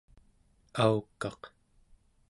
aukaq